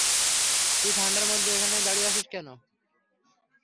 তুই ঠান্ডার মধ্যে এখানে দাঁড়িয়ে আছিস কেন?